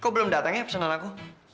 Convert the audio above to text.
kok belum datang ya personal aku